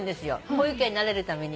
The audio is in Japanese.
保育園慣れるために。